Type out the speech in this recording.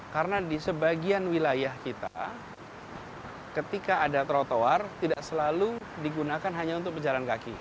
karena di sebagian wilayah kita ketika ada trotoar tidak selalu digunakan hanya untuk pejalan kaki